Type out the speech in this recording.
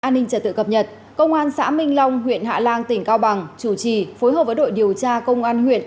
an ninh trả tự cập nhật công an xã minh long huyện hạ lan tỉnh cao bằng chủ trì phối hợp với đội điều tra công an huyện